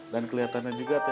dan kelihatannya juga teh manis